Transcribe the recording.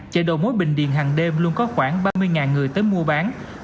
chợ đồ mối bình điền hàng đêm luôn có khoảng ba mươi người tới mua bán